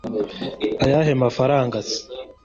Ayahe mafaranga se